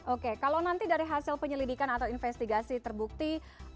oke kalau nanti dari hasil penyelidikan atau investigasi terbukti